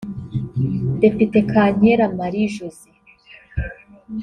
Depite Kankera Marie Josee